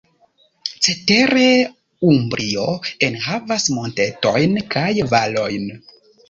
Cetere, Umbrio enhavas montetojn kaj valojn.